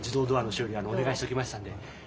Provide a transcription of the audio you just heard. お願いしときましたんで。